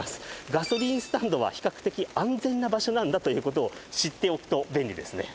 ガソリンスタンドは比較的安全な場所なんだということを知っておくと便利ですね